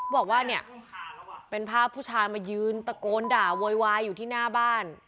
บอกว่าเนี่ยเป็นภาพผู้ชายมายืนตะโกนด่าโวยวายอยู่ที่หน้าบ้าน